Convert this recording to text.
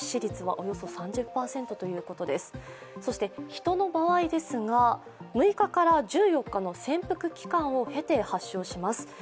人の場合ですが、６日から１４日の潜伏期間を経て発症します。